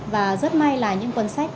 và rất may là những cuốn sách